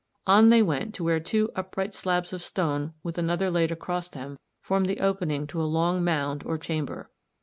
On they went to where two upright slabs of stone with another laid across them formed the opening to a long mound or chamber.